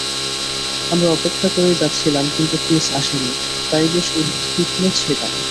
আমরা অপেক্ষা করেই যাচ্ছিলাম কিন্তু ক্রিস আসেনি, তাই বেশ উদ্বিগ্ন ছিলাম।